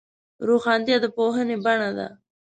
روښانتیا د پوهې بڼه ده.